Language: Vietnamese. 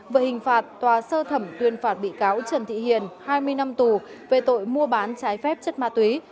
về hình phạt tòa sơ thẩm tuyên phạt bị cáo trần thị hiền hai mươi năm tù về tội mua bán trái phép chất ma túy